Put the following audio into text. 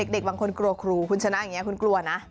เด็กบางคนกลัวครูคุณชนะอย่างนี้คุณกลัวนะ